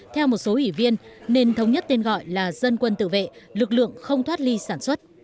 theo một số ủy viên nên thống nhất tên gọi là dân quân tự vệ lực lượng không thoát ly sản xuất